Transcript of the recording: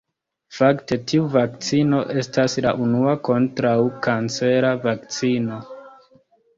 Fakte, tiu vakcino estas la unua kontraŭkancera vakcino.